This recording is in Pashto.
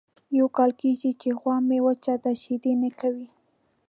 یو کال کېږي چې غوا مې وچه ده شیدې نه کوي.